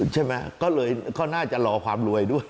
ใช่ไหมก็เลยก็น่าจะรอความรวยด้วย